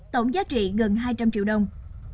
tổng giá trị gần hai trăm linh triệu đồng